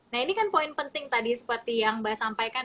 nah ini kan poin penting tadi seperti yang mbak sampaikan